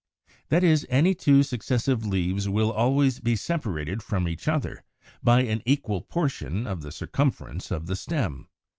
That is, any two successive leaves will always be separated from each other by an equal portion of the circumference of the stem.